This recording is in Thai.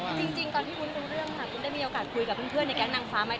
จริงตอนที่วุ้นรู้เรื่องค่ะวุ้นได้มีโอกาสคุยกับเพื่อนในแก๊งนางฟ้าไหม